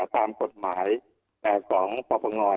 ตามกฎหมายของประบังศศูนย์